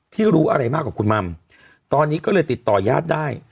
รู้อะไรมากกว่าคุณมัมตอนนี้ก็เลยติดต่อยาดได้